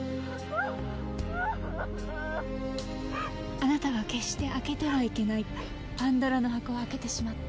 あなたは決して開けてはいけないパンドラの箱を開けてしまった。